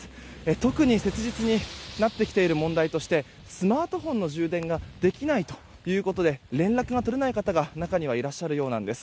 特に、切実になってきている問題としてスマートフォンの充電ができないということで連絡が取れない方が、中にはいらっしゃるようなんです。